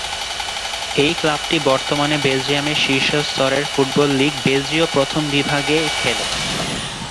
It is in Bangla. এই ক্লাবটি বর্তমানে বেলজিয়ামের শীর্ষ স্তরের ফুটবল লীগ বেলজীয় প্রথম বিভাগ এ-এ খেলে।